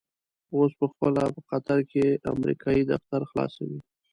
اوس په خپله په قطر کې امريکايي دفتر خلاصوي.